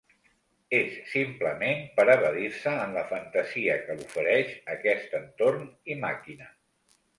És simplement per evadir-se en la fantasia que l'ofereix aquest entorn i maquina.